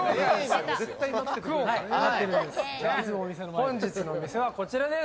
本日のお店はこちらです。